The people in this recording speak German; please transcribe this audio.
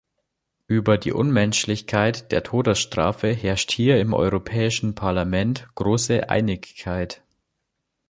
Über die Unmenschlichkeit der Todesstrafe herrscht hier im Europäischen Parlament große Einigkeit.